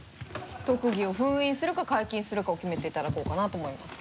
特技を「封印」するか「解禁」するかを決めていただこうかなと思います。